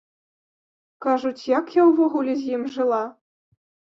Кажуць, як я ўвогуле з ім жыла?